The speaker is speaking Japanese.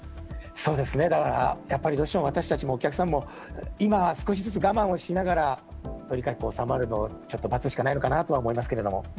そうですね、だから、やっぱりどうしても、私たちもお客さんも、今は少しずつ我慢をしながら、とにかく収まるのをちょっと待つしかないのかなとは思いますけど。